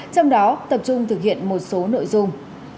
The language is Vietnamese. trong đó tập trung thực hiện một số nội dung